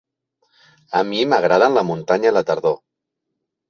A mi m'agraden la muntanya i la tardor.